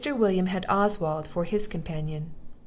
William had Oswald for his companion.